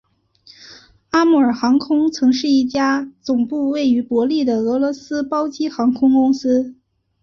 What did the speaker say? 阿穆尔航空曾是一家总部位于伯力的俄罗斯包机航空公司。